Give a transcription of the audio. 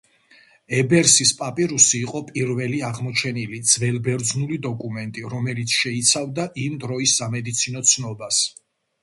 ებერსის პაპირუსი იყო პირველი აღმოჩენილი ძველბერძნული დოკუმენტი, რომელიც შეიცავდა იმ დროის სამედიცინო ცნობას.